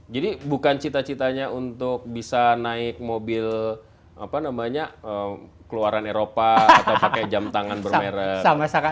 jadi bukan cita citanya untuk bisa naik mobil apa namanya keluaran eropa atau pakai jam tangan bermerah